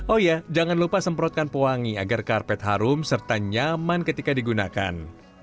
oh ya jangan lupa semprotkan pewangi agar karpet harum serta nyaman ketika digunakan